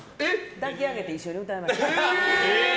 抱き上げて、一緒に歌いました。